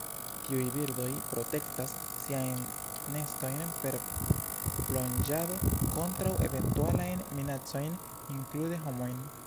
Tiuj birdoj protektas siajn nestojn per plonĝado kontraŭ eventualajn minacojn, inklude homojn.